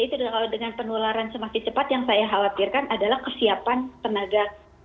itu kalau dengan penularan semakin cepat yang saya khawatirkan adalah kesiapan tenaga